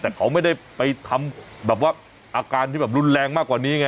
แต่เขาไม่ได้ไปทำแบบว่าอาการที่แบบรุนแรงมากกว่านี้ไง